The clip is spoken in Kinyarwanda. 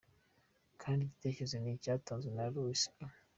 Ikindi gitekerezo ni icyatanzwe na Louisa E.